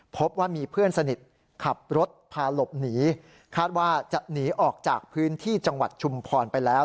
พบว่ามีเพื่อนสนิทขับรถพาหลบหนีคาดว่าจะหนีออกจากพื้นที่จังหวัดชุมพรไปแล้ว